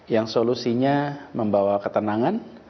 yang solusinya membawa ketenangan